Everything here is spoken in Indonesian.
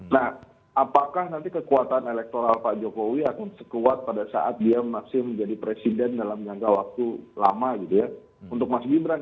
nah apakah nanti kekuatan elektoral pak jokowi akan sekuat pada saat dia masih menjadi presiden dalam jangka waktu lama gitu ya untuk mas gibran